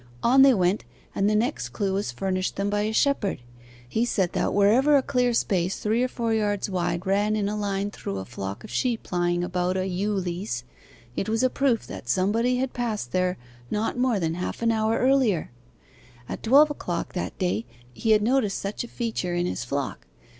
On they went, and the next clue was furnished them by a shepherd. He said that wherever a clear space three or four yards wide ran in a line through a flock of sheep lying about a ewe lease, it was a proof that somebody had passed there not more than half an hour earlier. At twelve o'clock that day he had noticed such a feature in his flock.